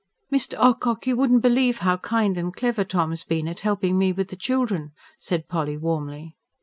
"Mr. Ocock, you wouldn't believe how kind and clever Tom's been at helping with the children," said Polly warmly.